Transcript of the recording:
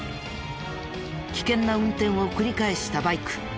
危険な運転を繰り返したバイク。